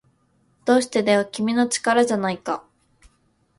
どうしてだよ、君の力じゃないか